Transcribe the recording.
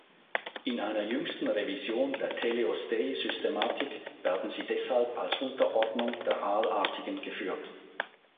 In einer jüngsten Revision der Teleostei-Systematik werden sie deshalb als Unterordnung der Aalartigen geführt.